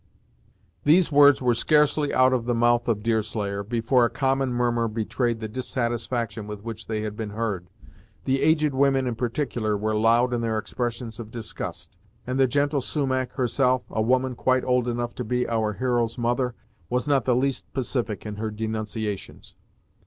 These words were scarcely out of the mouth of Deerslayer, before a common murmur betrayed the dissatisfaction with which they had been heard. The aged women, in particular, were loud in their expressions of disgust, and the gentle Sumach, herself, a woman quite old enough to be our hero's mother, was not the least pacific in her denunciations.